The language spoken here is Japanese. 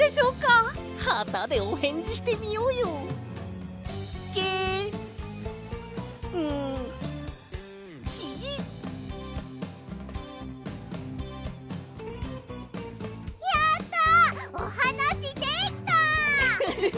おはなしできた！